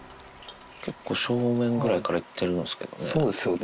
結構、正面ぐらいからいってるんですけどね。